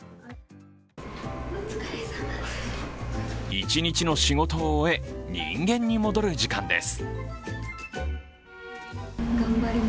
一日の仕事を終え人間に戻る時間です。